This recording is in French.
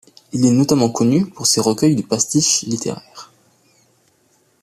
Il est notamment connu pour ses recueils de pastiches littéraires.